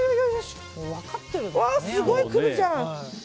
すごい来るじゃん！